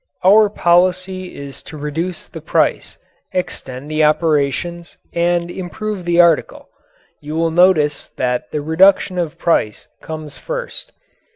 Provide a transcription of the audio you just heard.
Our policy is to reduce the price, extend the operations, and improve the article. You will notice that the reduction of price comes first.